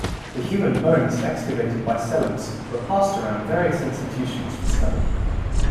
The human bones excavated by Sellards were passed around various institutions for study.